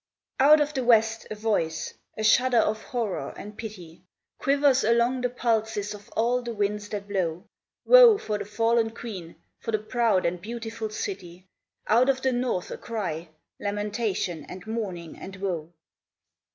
Out of the west a voice a shudder of horror and pity; Quivers along the pulses of all the winds that blow; Woe for the fallen queen, for the proud and beautiful city. Out of the North a cry lamentation and mourning and woe.